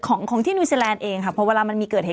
ของของที่นิวซีแลนด์เองค่ะเพราะเวลามันมีเกิดเหตุ